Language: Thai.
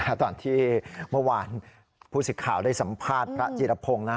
ตอนที่เมื่อวานผู้สิทธิ์ข่าวได้สัมภาษณ์พระจีรพงศ์นะ